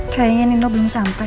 kayaknya nindo belum sampai